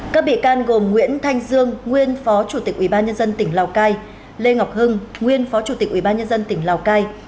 các bị can gồm nguyễn thanh dương nguyên phó chủ tịch ubnd tỉnh lào cai lê ngọc hưng nguyên phó chủ tịch ubnd tỉnh lào cai